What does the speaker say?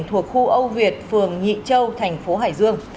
thuộc khu âu việt phường nhị châu thành phố hải dương